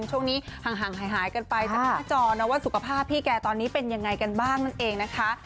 ช่วงนี้ห่างหายกันไปจากหน้าจอนะว่าสุขภาพพี่แกตอนนี้เป็นยังไงกันบ้างนั่นเองนะคะ